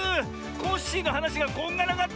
コッシーのはなしがこんがらがってて。